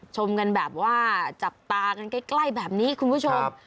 ชมกันแบบว่าจับตากันใกล้แบบนี้คุณผู้ชม